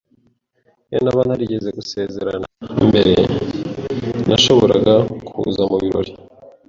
Iyo ntaba narigeze gusezerana mbere, nashoboraga kuza mubirori.